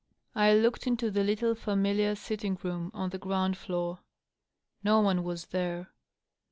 I looked into the little familiar sitting room on the ground floor. No one was there.